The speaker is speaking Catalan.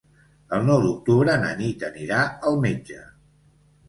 El nou d'octubre na Nit anirà al metge.